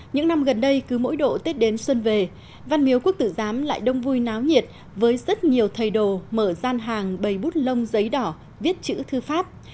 những năm gần đây cứ mỗi độ tết đến xuân về văn miếu quốc tử giám lại đông vui náo nhiệt với rất nhiều thầy đồ mở gian hàng bày bút lông giấy đỏ viết chữ thư pháp